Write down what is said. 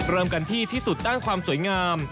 เริ่มกันที่ที่สุดด้านความสวยงาม